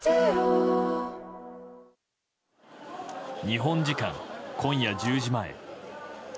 日本時間今夜１０時前。